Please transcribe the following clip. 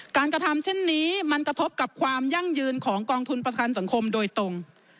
กระทำเช่นนี้มันกระทบกับความยั่งยืนของกองทุนประกันสังคมโดยตรง